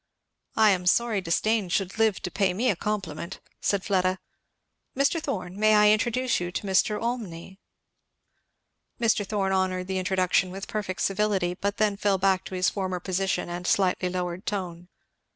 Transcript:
"I am sorry disdain should live to pay me a compliment," said Fleda. "Mr. Thorn, may I introduce to you Mr. Olmney?" Mr. Thorn honoured the introduction with perfect civility, but then fell back to his former position and slightly lowered tone.